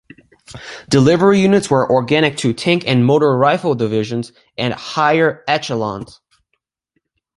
Delivery units were organic to Tank and Motor Rifle Divisions and higher echelons.